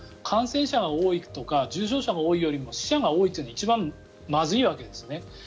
感染者が多いとか重症者が多いよりも死者が多いっていうのが一番まずいわけですね。